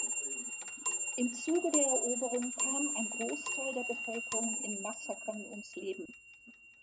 Im Zuge der Eroberung kam ein Großteil der Bevölkerung in Massakern ums Leben.